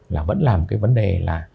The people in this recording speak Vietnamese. là vẫn là một cái vấn đề là